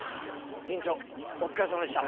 院長お疲れさまでした。